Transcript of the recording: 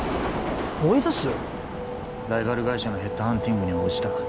ライバル会社のヘッドハンティングに応じた